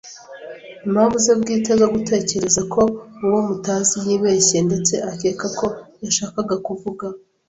impamvu ze bwite zo gutekereza ko uwo mutazi yibeshye, ndetse akeka ko yashakaga kuvuga